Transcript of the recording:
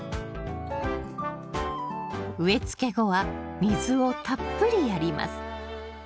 植え付け後は水をたっぷりやります。